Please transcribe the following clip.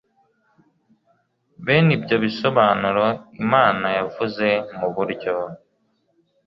bene ibyo bisobanuro imana yavuze mu buryo